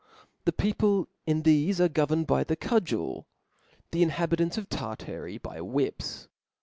The people in thcjp are governed by the cudgel ; the inhabitants of Tartary by whips.